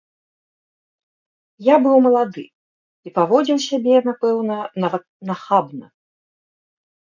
Я быў малады і паводзіў сябе, напэўна, нават нахабна.